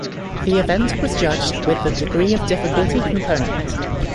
The event was judged with the degree of difficulty component.